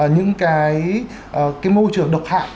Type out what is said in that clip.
những cái môi trường độc hạ